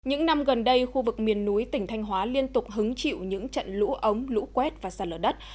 những năm gần đây khu vực miền núi tỉnh thanh hóa liên tục hứng chịu những trận lũ ống lũ quét và sạt lở đất